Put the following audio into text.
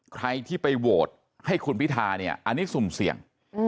ใครที่ไปโหวตให้คุณพิธาเนี่ยอันนี้สุ่มเสี่ยง